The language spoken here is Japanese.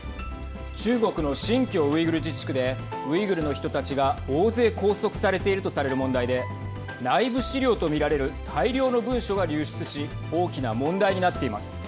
中国の新疆ウイグル自治区でウイグルの人たちが大勢拘束されているとされる問題で内部資料とみられる大量の文書が流出し大きな問題になっています。